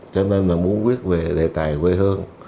cho nên là muốn viết về đề tài quê hương